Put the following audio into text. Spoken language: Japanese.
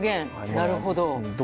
なるほど。